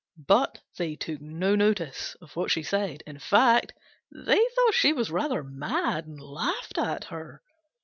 But they took no notice of what she said: in fact, they thought she was rather mad, and laughed at her.